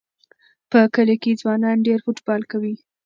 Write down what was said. په کلي کې ځوانان ډېر فوټبال کوي.